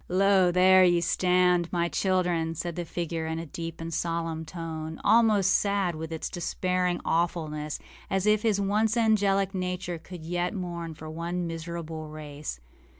âLo, there ye stand, my children,â said the figure, in a deep and solemn tone, almost sad with its despairing awfulness, as if his once angelic nature could yet mourn for our miserable race.